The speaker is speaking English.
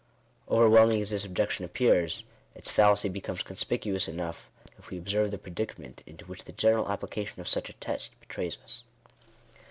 Overwhelming as this objection appears, its fallacy becomes conspicuous enough, if we observe the predicament into which the general application of such a test betrays. us.